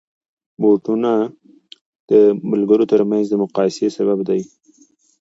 بوټونه د ملګرو ترمنځ د مقایسې سبب دي.